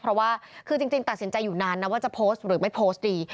เพราะว่าคือจริงตัดสินใจอยู่นานนะว่าจะโพสต์หรือไม่โพสต์ดี